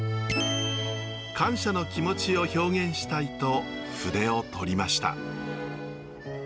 感謝の気持ちを表現したいと筆をとりました。